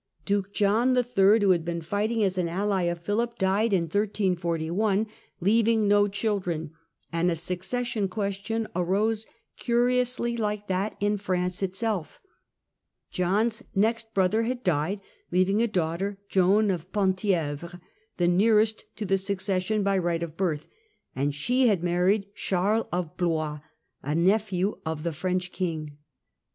Duke John III., who had been fighting as an ally of PhiHp, died in 1341 leav ing no children, and a succession question arose curiously like that in France itself. John's next brother had died leaving a daughter, Joan of Penthievre, the nearest to the succession by right of birth, and she had married Charles of Blois, a nephew of the French King.